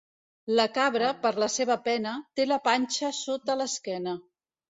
La cabra, per la seva pena, té la panxa sota l'esquena.